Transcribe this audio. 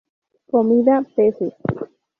Comida peces.